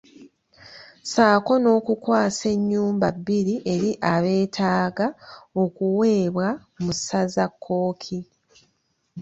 Ssaako n’okukwasa ennyumba bbiri eri abeetaaga okuweebwa mu ssaza Kkooki.